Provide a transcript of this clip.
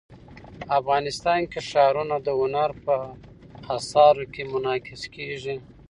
افغانستان کې ښارونه د هنر په اثار کې منعکس کېږي.